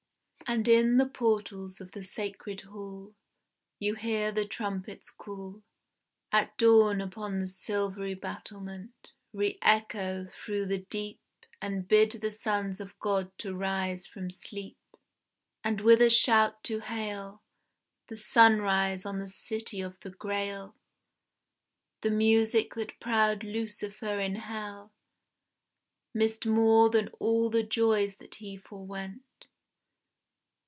And in the portals of the sacred hall You hear the trumpet's call, At dawn upon the silvery battlement, Re echo through the deep And bid the sons of God to rise from sleep, And with a shout to hail The sunrise on the city of the Grail: The music that proud Lucifer in Hell Missed more than all the joys that he forwent.